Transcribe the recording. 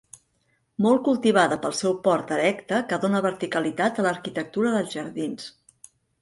Molt cultivada pel seu port erecte que dóna verticalitat a l'arquitectura dels jardins.